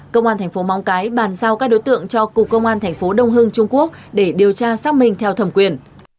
công an tp móng cái bàn sao các đối tượng cho cục công an tp đông hưng trung quốc để điều tra xác minh theo thẩm quyền